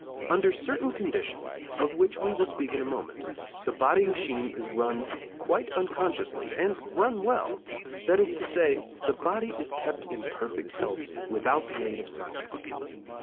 Under certain conditions, of which we will speak in a moment, the body machine is run quite unconsciously, and run well; that is to say, the body is kept in perfect health without the aid of science.